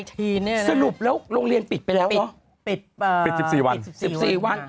๑๙นี่นะครับปิด๑๔วันสรุปแล้วโรงเรียนปิดไปแล้วเนอะ